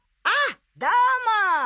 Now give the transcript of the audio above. あっどうも！